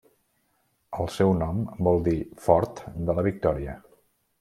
El seu nom vol dir Fort de la Victòria.